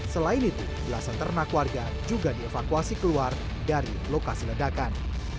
selain itu belasan ternak warga juga dievakuasi keluar dari lokasi ledakan